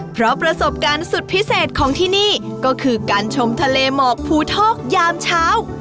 เพราะประสบการณ์สุดพิเศษของที่นี่ก็คือการชมทะเลหมอกภูทอกยามเช้า